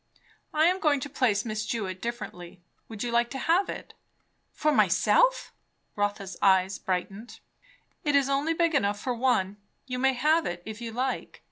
I am going to place Miss Jewett differently. Would you like to have it?" "For myself?" Rotha's eyes brightened. "It is only big enough for one. You may have it, if you like.